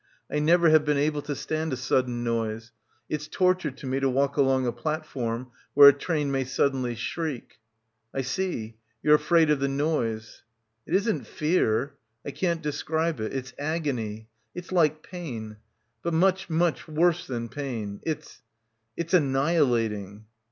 "I never have been able to stand a sudden noise. It's torture to me to walk along a plat form where a train may suddenly shriek." "I see. You're afraid of the noise." "It isn't fear — I can't describe it. It's agony. It's like pain. But much much worse than pain. It's — it's — annihilating."